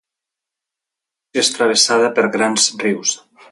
Rússia és travessada per grans rius.